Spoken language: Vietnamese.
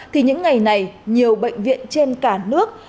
thì những ngày này nhiều bệnh viện trên cả nước